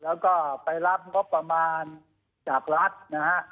แล้วก็ไปรับงบประมาณจากรัฐนะฮะ